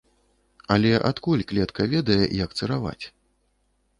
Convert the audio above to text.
Але адкуль клетка ведае, як цыраваць?